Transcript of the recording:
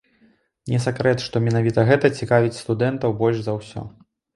Не сакрэт, што менавіта гэта цікавіць студэнтаў больш за ўсё.